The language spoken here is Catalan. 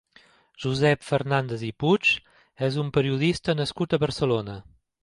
Josep Fernández i Puig és un periodista nascut a Barcelona.